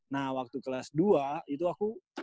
nah waktu kelas dua itu aku